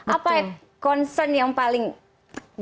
apa concern yang paling penting